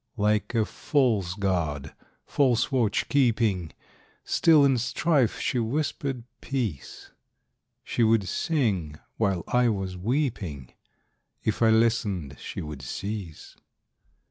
Like a false guard, false watch keeping, Still, in strife, she whispered peace; She would sing while I was weeping; If I listened, she would cease.